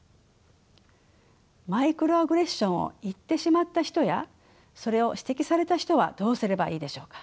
マイクロアグレッションを言ってしまった人やそれを指摘された人はどうすればいいでしょうか。